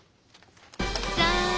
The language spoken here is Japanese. じゃん！